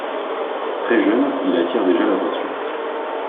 Très jeune il attire déjà l'attention.